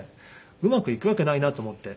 うまくいくわけないなと思って。